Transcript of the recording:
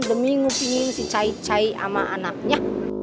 demi ngupiin si cai cai sama anaknya